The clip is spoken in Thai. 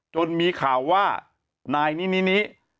จนมีข่าวว่านายนินิ